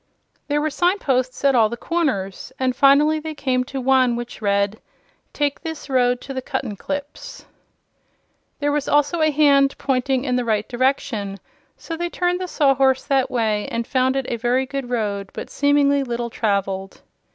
There were signposts at all the corners, and finally they came to one which read: TAKE THIS ROAD TO THE CUTTENCLIPS There was also a hand pointing in the right direction, so they turned the Sawhorse that way and found it a very good road, but seemingly little traveled.